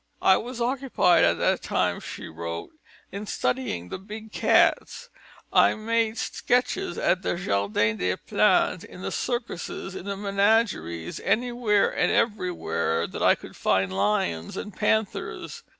"I was occupied at that time," she wrote, "in studying the big cats; I made sketches at the Jardin des Plantes, in the circuses, in the menageries, anywhere and everywhere that I could find lions and panthers."